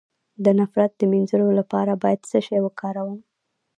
د نفرت د مینځلو لپاره باید څه شی وکاروم؟